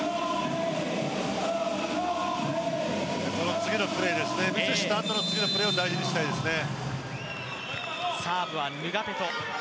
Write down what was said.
この次のプレー、崩したあとのプレーを大事にしたいですね。